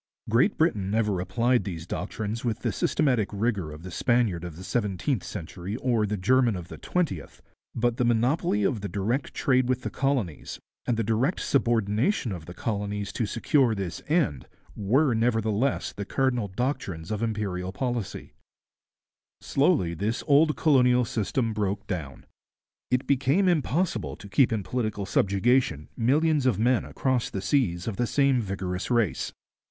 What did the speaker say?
Great Britain never applied these doctrines with the systematic rigour of the Spaniard of the seventeenth century or the German of the twentieth, but monopoly of the direct trade with the colonies, and the political subordination of the colonies to secure this end, were nevertheless the cardinal doctrines of imperial policy. [Illustration: SIR WILFRID LAURIER From a photograph by Topley] Slowly this old colonial system broke down. It became impossible to keep in political subjection millions of men across the seas of the same vigorous race.